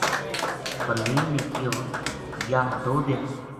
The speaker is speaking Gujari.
پروین نے کہیو:”یاہ دو دن